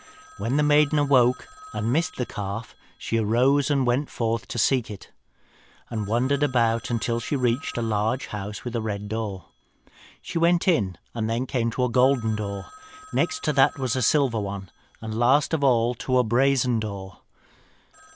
When the maiden awoke and missed the calf, she arose and went forth to seek it, and wandered about until she reached a large house with a red door. "She went in, and then came to a golden door, next to that to a silver one, and last of all to a brazen door.